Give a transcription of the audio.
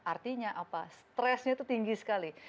artinya apa stresnya itu tinggi sekali